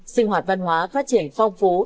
sinh hoạt văn hóa phát triển phong phú